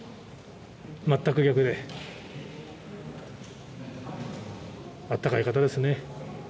全く逆で、あったかい方ですね。